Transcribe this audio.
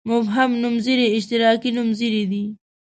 مبهم نومځري اشتراکي نومځري دي.